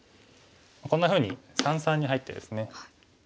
こんなふうに三々に入ってですね。